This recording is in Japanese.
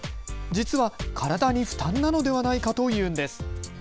実は体に負担なのではないかというのです。